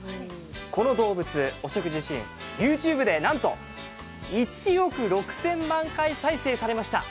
この動物、お食事シーンＹｏｕＴｕｂｅでなんと１億６０００万回再生されました。